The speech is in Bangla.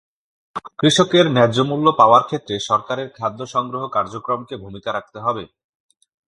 কৃষকের ন্যায্যমূল্য পাওয়ার ক্ষেত্রে সরকারের খাদ্য সংগ্রহ কার্যক্রমকে ভূমিকা রাখতে হবে।